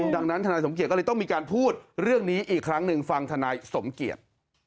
ดังนั้นทนายสมเกียจก็เลยต้องมีการพูดเรื่องนี้อีกครั้งหนึ่งฟังธนายสมเกียจ